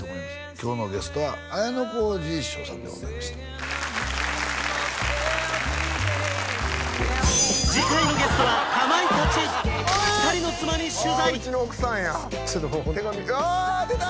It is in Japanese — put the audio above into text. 今日のゲストは綾小路翔さんでございました次回のゲストはかまいたちちょっとお手紙あ出た！